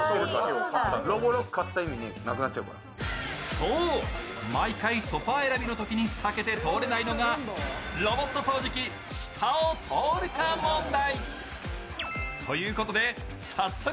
そう、毎回ソファー選びのときに避けて通れないのが、ロボット掃除機、下を通るか問題。